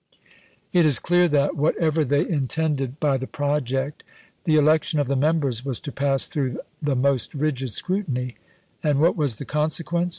It is clear that, whatever they intended by the project, the election of the members was to pass through the most rigid scrutiny; and what was the consequence?